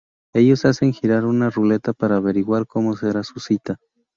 Ellos hacen girar una ruleta para averiguar como será su cita.